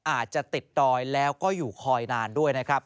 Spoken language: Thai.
อาจจะติดดอยแล้วก็อยู่คอยนานด้วยนะครับ